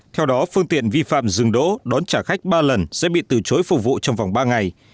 theo đó phương tiện vi phạm dừng đỗ đón trả khách ba lần sẽ bị từ chối phục vụ trong vòng ba ngày